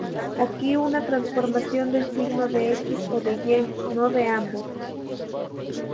Aquí una transformación del signo de x o de y, no de ambos.